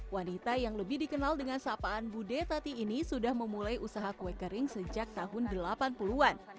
wanita yang lebih dikenal dengan sapaan bude tati ini sudah memulai usaha kue kering sejak tahun delapan puluh an